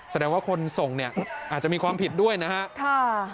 แสดงว่าคนส่งเนี่ยอาจจะมีความผิดด้วยนะครับ